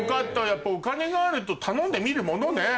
やっぱお金があると頼んでみるものね。